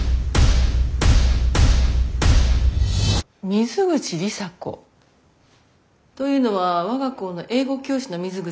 水口里紗子？というのは我が校の英語教師の水口ですか？